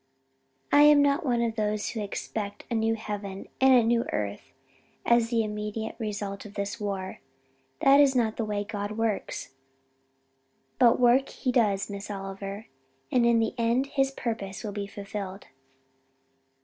I am not one of those who expect a new heaven and a new earth as the immediate result of this war. That is not the way God works. But work He does, Miss Oliver, and in the end His purpose will be fulfilled."